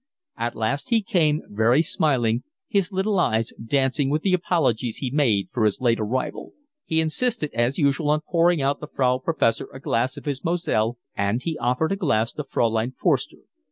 At last he came, very smiling, his little eyes dancing with the apologies he made for his late arrival. He insisted as usual on pouring out the Frau Professor a glass of his Moselle, and he offered a glass to Fraulein Forster.